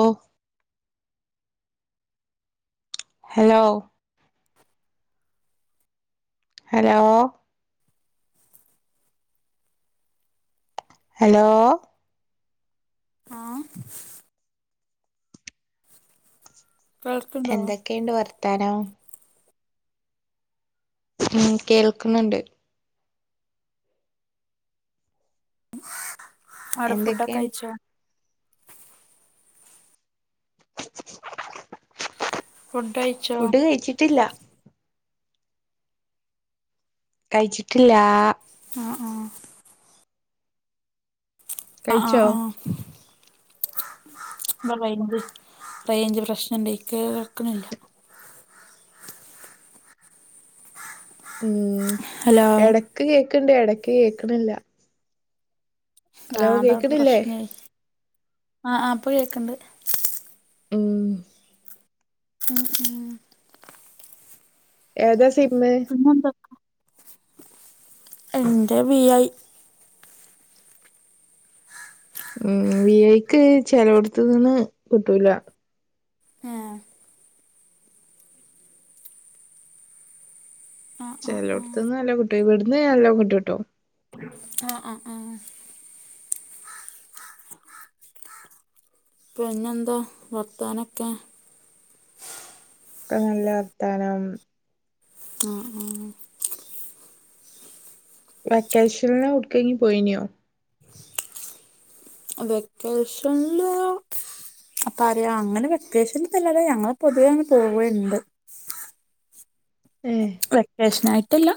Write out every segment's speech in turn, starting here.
ഓഹ് hello hello hello ആ കേൾക്ക്ണ്ടോ എന്തൊക്കെയുണ്ട് വർത്താനോം ഉം കേൾക്കുന്നുണ്ട് അവടെ എന്തൊക്കെയുണ്ട് ഫുഡൊകയിച്ചോ ഫുഡ് കഴിച്ചോ ഫുഡ് കഴിച്ചിട്ടില്ലാ കഴിച്ചിട്ടില്ലാ ആഹ് ആഹ് ആ ആ കഴിച്ചോ ആ [inaudible] ഇവിടെ റെയ്ഞ്ച് റേഞ്ച് പ്രശ്നണ്ട് കേക്നില്ല ഉം ഹലോ എടക്ക് കേക്കണ്ട് എടക്ക് കേക്കണില്ല ആ അതാ അവിത്തെ പ്രശ്നേ ആ ആ ഇപ്പൊ കേക്കണ്ട് മ് മ്‌ മ് ഏ താ സിം പിന്നെ എന്തൊക്ക എന്റെ വി ഐ ഉം വി ഐക്ക് ചെലോടുത്തൂനിന്ന് കിട്ടൂല ആ ആഹ് ആഹ് ചിലോടത്തീന്ന് നല്ലോമ് കിട്ടു ഇവിടുന്ന് നല്ലോ മ് കിട്ടൂട്ടോ ആ ആ ആ [inaudible] പിന്നെന്താ വർത്താനൊക്കെ ഒക്കെ നല്ല വർത്താനം ആ ഉം വെക്കേഷൻ എടുക്കങ്കിലും പോയിനോ? വെക്കേഷൻല് അപ്പ അറ അങ്ങനെ വെക്കേഷൻ അല്ലതെ ഞങ്ങള് പൊതുവേ അങ്ങനെ പോവല് ണ്ട് ഏഹ് വെക്കേഷൻ ആയിട്ടല്ലാ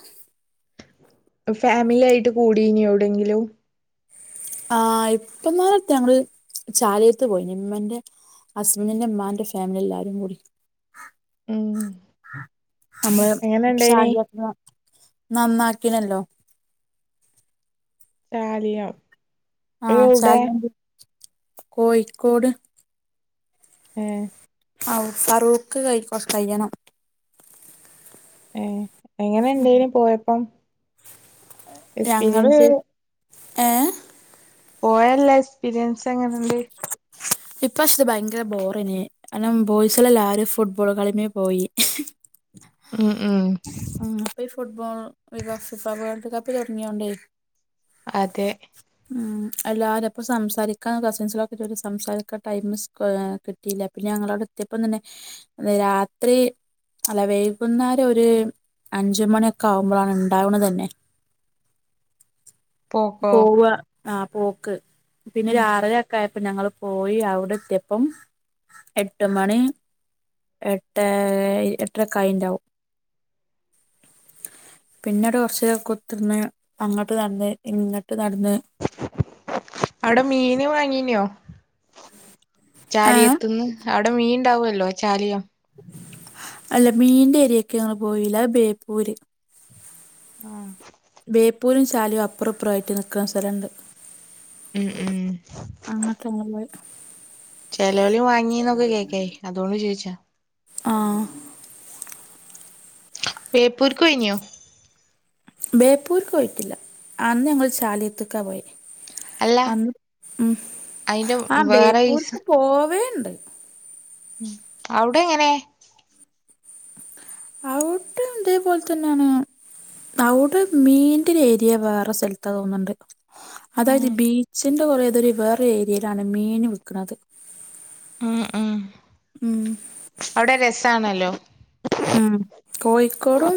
ഫാമിലി ആയിട്ട് കൂടീനോ എവിടെങ്കിലും? ആ ഇപ്പന്നാള് അടുത്ത് ഞങ്ങള് ചാലിയത്ത് പോയിനു മ്മന്റെ അസ്ബന്റിന്റെ മ്മാന്റെ ഫാമിലി എല്ലാരും കൂടി ഉം നമ്മള് എങ്ങനെ ഇണ്ടായിനി ഷൽ നന്നാക്കീനല്ലോ ട്ടാലിയ ആ ച്ചാൽ കോഴിക്കോട് ഏഹ് ഔ ഫറൂക്ക് കുറച്ചു കഴിയണം ഏ എങ്ങനെ ഉണ്ടായ്ൻ പോയപ്പം ഞങ്ങള് എക്സ്പീരിയൻസ്? ഏഹ് പോയല്ല എക്സ്പീരിയൻസ് എങ്ങനെണ്ട്? ഇപ്രാവശ്യ ത്തെ ഭയങ്കര ബോറായിൻ കാരണം ബോയ്സ് ള്ള എല്ലാവാരും ഫുട്ബോൾ കളിമ്മെ പോയി ഉം ഉം ഉം ഇപ്പൊ ഈ ഫുട്ബോൾ വി ഫിഫ വേൾഡ് കപ്പ് തുടങ്ങിയത് കൊണ്ട് അതെ ഉം എല്ലാവാരും പ്പോ സംസാരിക്കാ കസിൻസിലൊക്കെ ച സംസാരിക്ക ടൈം കിട്ടിയില്ല പിന്നെ ഞങ്ങളോടെ എത്തിയപ്പത്തന്നെ രാത്രി അല്ല വൈകുന്നേരം ഒരു അഞ്ചുമണിയൊക്കെ ആവുമ്പോളാണ് ഉണ്ടാവണ തന്നെ [unintelligible] പോക്കൊ പോവ ആ പോക്ക് പിന്നെരു ആറര ഒക്കെ ആയപ്പ ഞങ്ങള് പോയി അവിടെത്തെപ്പം എട്ട് മണി എട്ട് എട്ടരക്കായിണ്ടാകും പിന്നീട് കുറച്ച് കുത്തിരുന്ന് അങ്ങട്ട് നടന്നു ഇങ്ങ് അവിടെ മീന് വാങ്ങീനോ ഏ ചാലിയത്ത് ന്ന് അവിടെ മീൻണ്ടാവല്ലോ ചാലിയം അല്ല മീനിന്റെ ഏരിയൊക്കെ ഞങ്ങള് പോയില്ല ബേപ്പൂര് ആ ബേപ്പൂരും ശാലും അപ്പുറപ്പുറ ആയിട്ട് നിൽക്കുന്ന സ്ഥലുണ്ട് ഉം ഉം അങ്ങനട്ട് ഞങ്ങൾ പോയെ ചെിലേലു വാങ്ങിന്നൊക്കെ കേക്കാ അതുകൊണ്ട് ചോയിച്ചാ ആ ബേപ്പൂർക്ക് ഒഴിനിയോ ബേപ്പൂര് ക്ക് പോയിട്ടില്ല അന്ന് ഞങ്ങൾ ചാലിയത്ത് ക്കാ പോയെ അല്ല അന്ന് ഉം അയിന്റെ ആ വേറെ ബേപ്പൂർക്ക് പോവേണ്ട് [unintelligible] ഉം അവിടെ എങ്ങനെ ആ ഔട്ട് ഇതേപോലത്തെന്നാണ് അവിടെ മീന്റെ ഏരിയ വേറെ സ്ഥലത്താ തോന്നുണ് ണ്ട് അതായത് ഉം ബീച്ചിന്റെ കുറേ അതൊരു വേറെ ഏരിയയിലാണ് മീൻ വിൽക്കുന്നത് ഉം ഉം ഉം അവിടെ രസാണല്ലോ ഉം കോഴിക്കോടും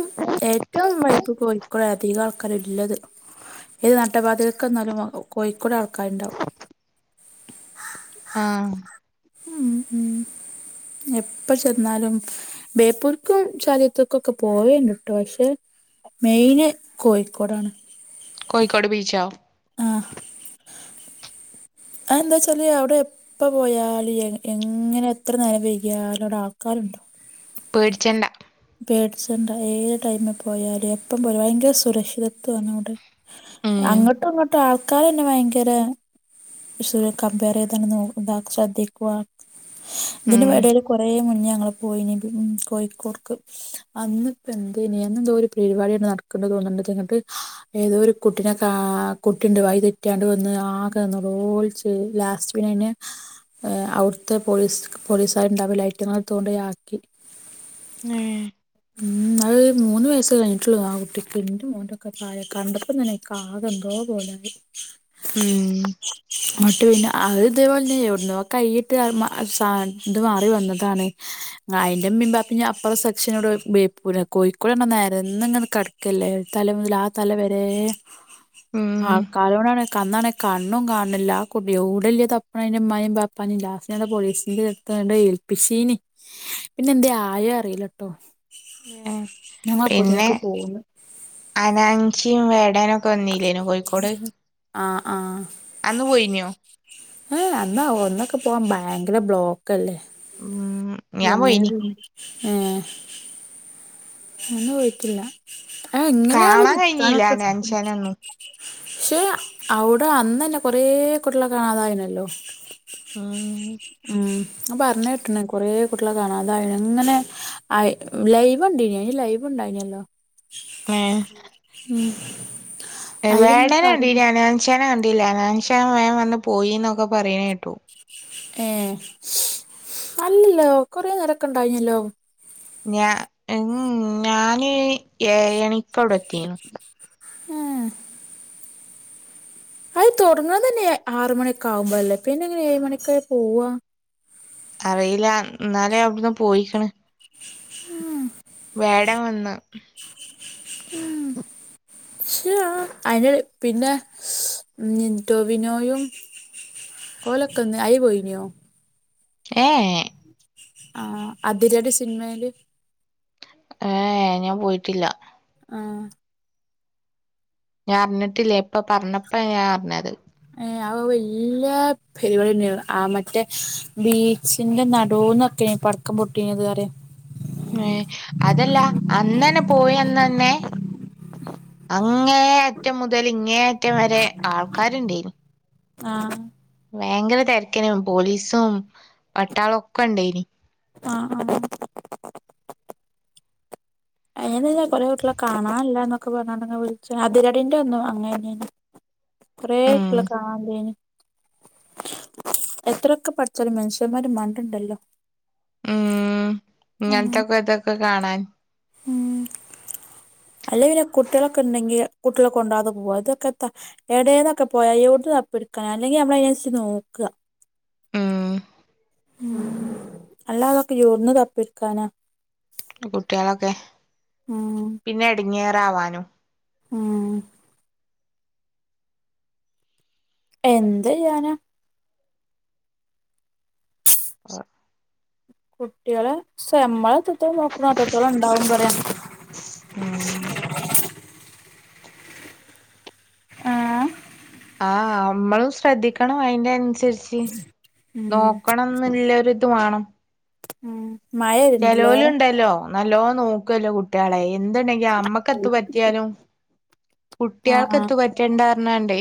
ഏറ്റവും വൈബ് കോഴിക്കോട് അധികം ആൾക്കാര് ഇള്ളത് ഏത് നട്ടപാതിക്ക് ചെന്നാലും കോഴിക്കോട് ആൾക്കാരുണ്ടാവും. ആ ഉം ഉം എപ്പ ചെന്നാലും ബേപ്പൂർ. ക്കും [unintelligible] ഒക്കെ പോവേണ്ടട്ടോ പക്ഷെ മെയിന് കോഴിക്കോടാണ്. കോയിക്കോട് ബീച്ചോ. ആ. അ എന്താ വെച്ചാല് അവിടെ എപ്പ പോയാല് എങ്ങനെ എത്ര നേരം വെയ്കിയാലും അവിടെ ആൾക്കാര് ഉണ്ടാവും. പേടിച്ചണ്ട. പേടിച്ചണ്ട, ഏത് ടൈമിൽ പോയാലും എപ്പം പോയാലും ഭയങ്കര സുരക്ഷിതത്വണ് അവിടെ. ഉം അങ്ങോട്ടും ഇങ്ങോട്ടും ആൾക്കാരന്നെ ഭയങ്കര പക്ഷെങ്ങനെ കമ്പയറ് [unintelligible] ശ്രദ്ധിക്കുക. ഇതിൻ്റെ ഉം വെടയിൽ കുറേ മുന്നേ ഞങ്ങൾ പോയിനി കോഴിക്കോട്ക്ക്. അന്നിപ്പ എന്ത് ഇന്തോ ഒരു പരിപാടിയാണ് നടക്ക്ണ്ട് തോന്നണ്ടങ്ങിട്ട് ഏതോരു കുട്ടി. പിന്നെ കാ കുട്ടിണ്ട് വഴി തെറ്റാണ്ട് വന്ന് ആകെ ന്നോളോ ൾച്ച് ലാസ്റ്റ് പിന്നെ. അവിടുത്തെ പോലീസ് പോലീസുകാരുണ്ടാവുലെ ലൈറ്റങ്ങളുടെ അടുത്തൊണ്ടായാക്കി. ഏ ഉം അത് മൂന്ന് വയസ്സ് കഴിട്ടുള്ളു ആ കുട്ടിക്ക് ന്റെ മോനൊക്കെ പ്രായം കണ്ടപ്പോ തന്നെ എനിക്ക് ആകെ എന്തോ. ന്തോ പോലായി. എന്നിട്ട് പിന്നെ ഉം അത് ഇതേപോലെ തന്നെ എവിടുന്നക്കെ കൈയിട്ട് സാൻ മാറി വന്നതാണ് അതിന്റെ ഉമ്മി ബാപ്പിഞ്ഞ. അപ്പറെ സെക്ഷന് ഇവിടെ ബേപ്പൂരി കോഴിക്കോട് നേരന്ന് ഇങ്ങനെ കിടക്കല്ലേ തല മുതൽ ആ തല വരെ. ഉം ആൾക്കാരോണ്ടാണേ അന്നാണെ കണ്ണും കാണ്ണില്ല ആ കുട്ട് എവിടെല്ലിയ തപ്പ്ണെ അയ്ന്റെ ഇമ്മാനിം ബാപ്പാനിം ലാസ്റ്റ് ഞാ പോലീസിന്റെ അട്ത്തണ്ട് ഏ പ്പിഷീന് പിന്നെ എന്ത് ആയെ അറില ട്ടോ. പിന്നെ പോന്ന് അനാഞ്ചിയും വേടാനും. വന്നില്ലേനെ കോഴിക്കോട് ആ ആ അന്ന് പോയിനോ. ഏഹ് അന്ന് ഒന്നൊക്കെ പോവാൻ ഭയക്കര ബ്ലോക്കല്ലേ. ഉം ഞാൻ എങ്ങനെ പോയിനി പി, ഏ അന്നും പോയിട്ടില്ല. ആ എങ്ങനെണ് കാണാൻ കഴിഞ്ഞില്ല നിക്കാനൊക്കെ സ് അനാൻചാനൊന്നും ക്ഷെ അവിടെ അന്നന്നെ കൊറെ കുട്ടിയളെ കാണാതായിണല്ലോ. ആ അ പറഞ്ഞ് കേട്ട്ണ്. കൊറെ കുട്ടിളെ കാണാതായി ങ്. അങ്ങനെ ലൈവ് കണ്ടിനി അയിന് ലൈവ് ഉണ്ടായിനല്ലോ. ഉം അയിലിങ്ങനെ പറയണ് വേടനങ്ങിനി ഹനാൻഷനെ ക ഇല്ല നാൻഷാ വേം വന്ന് പോയിന്നൊക്കെ പറയണേട്ടു. ഏ അല്ലല്ലോ കൊറെ നേരക്കെ ഉണ്ടായിനല്ലോ. ഞാ ഇൻ ഞാന് ഏഴണിക്ക് അവിടെത്തിണു ഏ ആയ് തുടങ്ങ്ണതെന്നെ ആറ് മണിയൊക്കെ ആകുമ്പോ അല്ലേ. പിന്നെങ്ങനെ ഏഴ് മണിക്കെ പോവാ. അറിയില്ല, ന്നാലേ അവിടന്ന് പോയിക്ക്ണ്. ആ വേടൻ വന്ന്. ഉം ശോ അയിനി പിന്നെ ടോവിനോയും. ഓലൊക്കന്ന് അയി പോയിനോ? ഏഏ ആഹ അതിരടി സിനിമയില് ഏ ഏ ഞാൻ പോയിട്ടില്ല ആ ഞാൻ അറിഞ്ഞിട്ടില്ലേ ഇപ്പ പറഞ്ഞപ്പെ ഞാൻ അറിഞ്ഞത് ഏ വല്യ പരിപാടിഞ്ഞെണ് ആ മറ്റേ ബീച്ചിന്റെ നടോന്നൊക്കെ പടക്കം പൊട്ടീനതുആരെ ഏ അതല്ലാ അന്നനെ പോയിന്നന്നെ അങ്ങേ അറ്റം മുതൽ ഇങ്ങേ അറ്റം വരെ ആൾക്കാര്ടയ്നു ആ ഭയങ്കര തിരക്കൈന് പോലീസും പട്ടാള ഒക്കെ ഇണ്ടായിനി ആഹ് അ അഞാ കൊറെേ കുടിയോളെ കാണാനില്ല എന്നൊക്കെ പറഞ്ഞണ്ടെ വിളിച്ച് അതിരടിന്റെ അന്നും അങ്ങനെന്നെ കൊറേ ഉം കുടിയോളെ കാണാലൃആയിനി എത്രയൊക്കെ പഠിച്ചല് മനുഷ്യന്മാര് മണ്ട്ണ്ടല്ലോ ഇങ്ങനത്തെക്കെ ഇതൊക്കെ കാണാൻ ഉം അല്ലെ പിന്നെ കുട്ടിയോളെകെ ഉണ്ടെങ്കിൽ കുട്ടിയോളെ കൊണ്ടോവാതെ പോകും ഇതൊക്കെ എത്ത എടേന്നൊക്കെ പോയ അ ടുക്കണം അല്ലെങ്കിൽ നമ്മൾ അതിനനസരിച്ച് നോക്ക ഉം അല്ലാ തൊക്ക് എവിടന്നു പിക്കാന കുട്ടികളൊക്കെ പിന്നെ ഇടിങ്ങേറ ആവാനും ഉം എന്ത് ഇയാന ആ കുട്ടികളെ നമ്മള അത്രത്തോളം നോക്കണു അത്രത്തോളം എന്താവും പറയാ ഉം ആ നമ്മള് ശ്രദ്ധിക്കണം അയിന്റെ അനുസരിച്ച് ഉം നോക്കണംന്നിളള ഒരി ഇത് വേണം മഴ വരുന്നുണ്ടല്ലേ ചലോലും ഉണ്ടല്ലോ നല്ലോ നോക്കുവല്ലോ കുട്ടികളെ എന്തുണ്ടെങ്കി നമ്മക്ക എത്ത് പറ്റിയാലും കുട്ടിയേൾക്ക് എത്ത് പറ്റണ്ടാർണ്കാണ്ടേ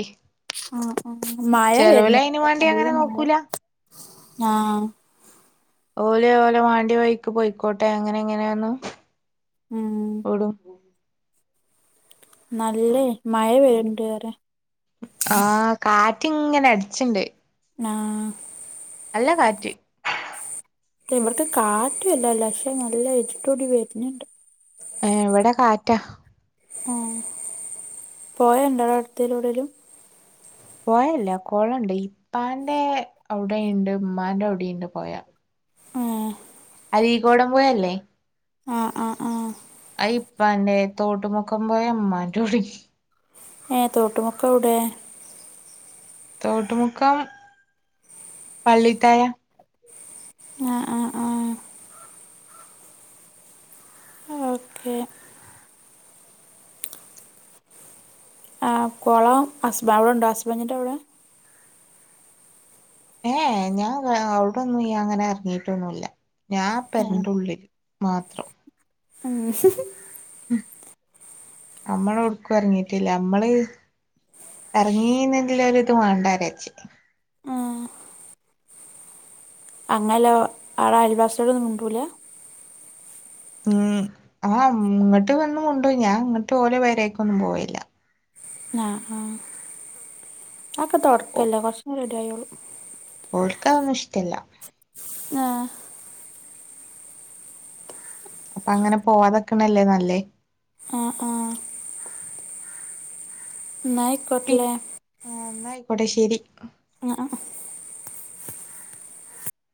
ആ ആ മഴ വരുന്ന വേണ്ടി നല്ല അങ്ങനെ മഴ നോക്കൂല ആ ഓലെ ഓലെ വാണ്ടി വൈക്ക് പോയിക്കോട്ടെ അങ്ങനെ എങ്ങനെയൊണു ഉം നല്ലേ മഴ വരണ്ട്വ അറിയ ആഹ കാറ്റി ഇങ്ങനെ അടിച്ചിണ്ട് ആ നല്ല കാറ്റ് ഇവർക്ക് കാറ്റുവല്ലാല്ല പക്ഷെ നല്ല ഇരുട്ടൂടി വരുന്നുണ്ട് എവിടെ കാറ്റ ആ പോയണ്ടട് അടുത്തലൂടെലും പോയല്ല കൊളണ്ട് ഇപ്പാന്റെ അവിടെയ്ണ്ട് ഉമ്മാന്റെ അവിടെയ്ണ്ട് പൊയ ആ അരീ കോോടം പോയല്ലേ ആ ആ ആ അത് ഇപ്പാൻറ്റെ തോട്ടുമക്കം പൊയ അമ്മാന്റെ ടി ഏ തോട്ടുമുക്ക എവിടെ തോട്ടുമുക്കം പള്ളിത്തായ ആ ആ ആ ഓക്കെ ആ കൊളം അസ്ബ അവിടെ ഉണ്ടോ അസ്ബൻറ്റിൻറ്റെ അവിടെ ഏ ഏ ഞാ അവിടൊന്നും അങ്ങനെ അറഞീട്ടൊന്നുല്ല ഞാൻ ഏഹ് പെരന്റുള്ളി മാത്രം ഉം നമ്മള് ഉടുക്ക ഇറങ്ങിട്ടില്ല നമ്മള് ഏറങ്ങീന്നില്ല ഒര് ഇത് വേണ്ടാവിചാരിച്ചേ ആ അങ്ങല്ലോ ആള് അയൽവാസിയോടൊന്നും മിണ്ടൂല ഉം ആഹ് ഇങ്ങോട്ട് വന്നു മുണ്ടും ഞാൻ അങ്ങോട്ട് ഓലെ പേരെക്കൊന്നും പോവെല്ലാ ആഹ് ആഹ് അതൊക്കെ തുടക്കല്ലേ കുറച്ച് മ്പോ റെഡി ആയിക്കോളും ൾക്കതൊന്നും ഇഷ്ടല്ല. ആഹ് അങ്ങനെ പോവാതെക്കണല്ലേ നല്ലേ ആഹ് ആഹ് ന്നാ ആയ്ക്കോട്ടലെ ന്നായിക്കോട്ടെശരി ആഹ്